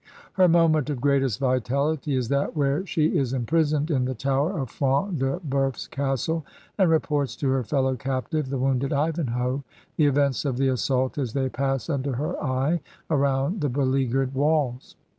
Her moment of greatest vitahty is that where she is imprisoned in the tower of Front de Boeuf s castle, and reports to her fellow captive, the wounded Ivanhoe, the events of the assault as they pass imder her eye aroimd the belea guered walls.